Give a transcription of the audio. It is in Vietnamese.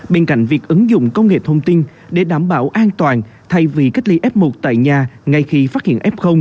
bên cạnh việc ứng dụng công nghệ thông tin để đảm bảo an toàn thay vì cách ly f một tại nhà ngay khi phát hiện f